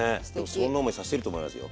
そんな思いさしてると思いますよ。